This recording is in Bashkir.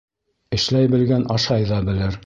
Эшләй белгән ашай ҙа белер.